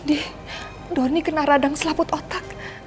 ndih ndorni kena radang selaput otak